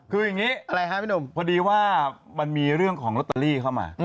คืออย่างนี้อะไรครับพี่หนุ่มพอดีว่ามันมีเรื่องของลอตเตอรี่เข้ามา